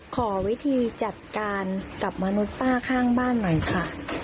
ขอวิธีจัดการกับมนุษย์ป้าข้างบ้านหน่อยค่ะ